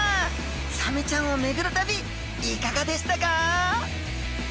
サメちゃんを巡る旅いかがでしたか？